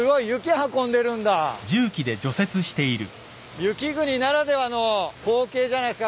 雪国ならではの光景じゃないっすか？